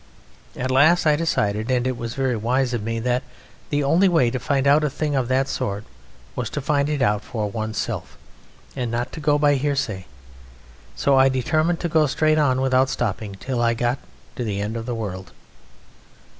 At last I decided (and it was very wise of me) that the only way to find out a thing of that sort was to find it out for one's self, and not to go by hearsay, so I determined to go straight on without stopping until I got to the End of the World."